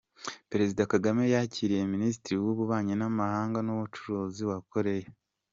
Perezida Kagame yakiriye Minisitiri w’Ububanyi n’Amahanga n’Ubucuruzi wa Koreya